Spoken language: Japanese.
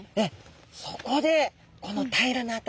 そこでこの平らな頭。